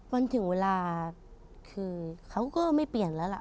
มันถึงเวลาคือเขาก็ไม่เปลี่ยนแล้วล่ะ